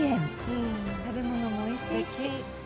羽田：食べ物もおいしいし。